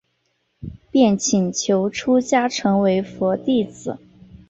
便请求出家成为佛弟子。